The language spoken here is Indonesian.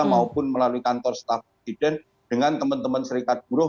maupun melalui kantor staff presiden dengan teman teman serikat buruh